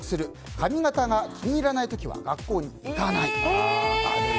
髪形が気に入らない時は学校に行かない。